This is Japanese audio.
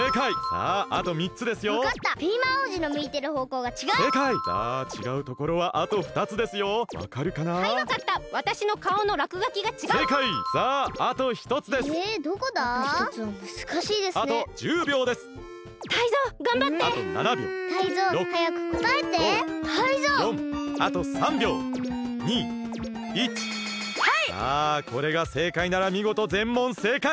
さあこれがせいかいならみごとぜんもんせいかい！